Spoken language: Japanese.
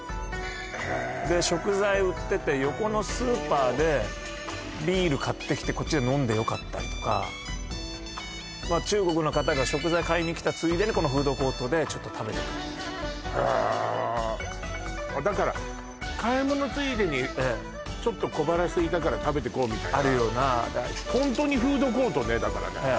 へえで食材売ってて面白い横のスーパーでビール買ってきてこっちで飲んでよかったりとか中国の方が食材買いに来たついでにこのフードコートでちょっと食べてくみたいなへえだから買い物ついでにちょっと小腹すいたから食べてこうみたいなホントにフードコートねだからね